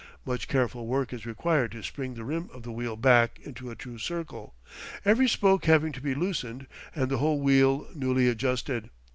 Much careful work is required to spring the rim of the wheel back into a true circle, every spoke having to be loosened and the whole wheel newly adjusted.